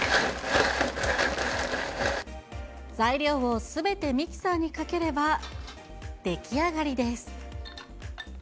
材料をすべてミキサーにかければ、出来上がりです。